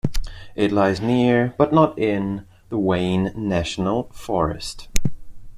It lies near, but not in, the Wayne National Forest.